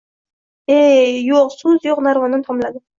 Gap yo‘q, so‘z yo‘q — narvondan tomladi.